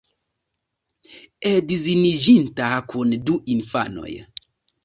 Edziniĝinta kun du infanoj.